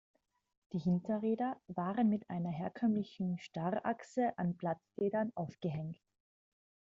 Die Hinterräder waren mit einer herkömmlichen Starrachse an Blattfedern aufgehängt.